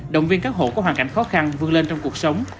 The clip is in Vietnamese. động viên các hộ có hoàn cảnh khó khăn vươn lên trong cuộc sống